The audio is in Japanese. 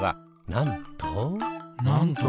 なんと？